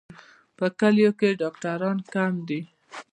په کلیو کې ډاکټران کم دي.